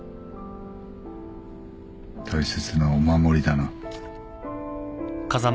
大切なお守りだな。